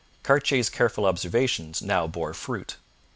Cartier's careful observations now bore fruit.